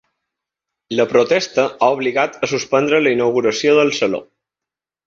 La protesta ha obligat a suspendre la inauguració del saló.